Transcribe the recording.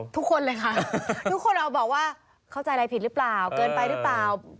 ทุกคนเลยค่ะทุกคนเอาบอกว่าเข้าใจอะไรผิดหรือเปล่าเกินไปหรือเปล่า